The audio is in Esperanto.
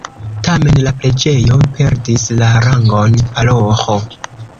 Tamen la preĝejo perdis la rangon paroĥo.